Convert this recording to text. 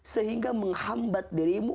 sehingga menghambat dirimu